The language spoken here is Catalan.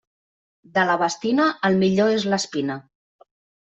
De la bastina, el millor és l'espina.